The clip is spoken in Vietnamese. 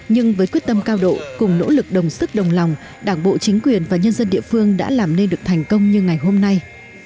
nhưng với quyết tâm cao độ cùng nỗ lực đồng sức đồng lòng đảng bộ chính quyền và nhân dân địa phương đã làm nên được thành công như ngày hôm nay